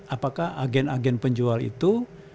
apakah agen agen penjual itu